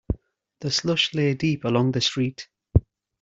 The slush lay deep along the street.